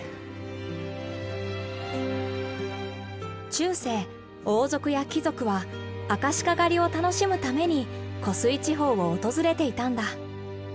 中世王族や貴族はアカシカ狩りを楽しむために湖水地方を訪れていたんだ。